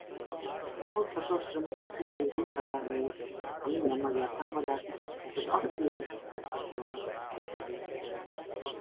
Hosszas ostrom után sikerült visszaverniük a minden magyar támadást és az akció kudarcba fulladt.